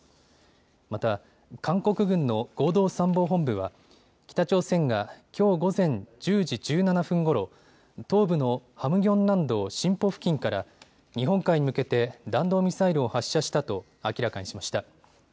また韓国軍の合同参謀本部は北朝鮮がきょう午前１０時１７分ごろ、東部のハムギョン南道シンポ付近から日本海に向けて弾道ミサイルを発射したと明らかにしました。